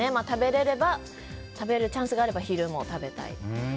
食べれれば、チャンスがあれば昼も食べたい。